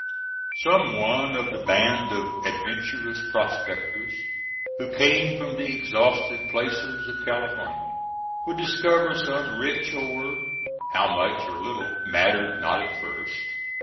Some one of the band of adventurous prospectors who came from the exhausted placers of California would discover some rich ore—how much or little mattered not at first.